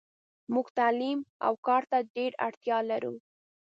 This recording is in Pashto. موږ تعلیم اوکارته ډیره اړتیالرو .